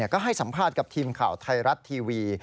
ก็ให้สัมภาษณ์กับทีมข่าวไทยรัฐทีวี